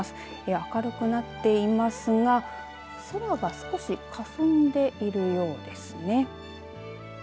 明るくなっていますが空が少しかすんでいるようですね。